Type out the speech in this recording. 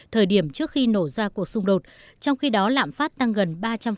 thời điểm trước khi nổ ra cuộc xung đột trong khi đó lạm phát tăng gần ba trăm linh